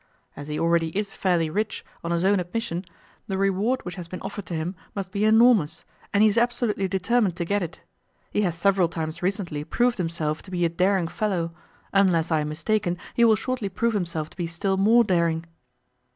As he already is fairly rich, on his own admission, the reward which has been offered to him must be enormous, and he is absolutely determined to get it. He has several times recently proved himself to be a daring fellow; unless I am mistaken he will shortly prove himself to be still more daring.